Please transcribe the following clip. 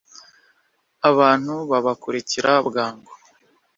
abantu babakurikira bwangu